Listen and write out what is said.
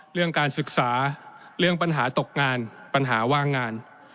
เรื่องการศึกษาเรื่องปัญหาตกงานปัญหาว่างงาน